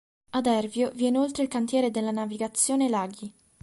A Dervio vi è inoltre il cantiere della Navigazione Laghi.